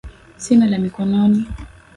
Sina la mikononi,